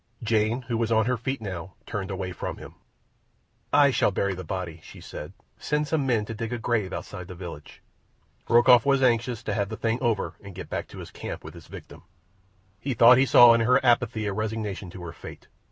Jane, who was on her feet now, turned away from him. "I shall bury the body," she said. "Send some men to dig a grave outside the village." Rokoff was anxious to have the thing over and get back to his camp with his victim. He thought he saw in her apathy a resignation to her fate.